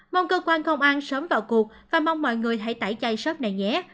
mong cơ quan không ăn sớm vào cuộc và mong mọi người hãy tẩy chay shop này nhé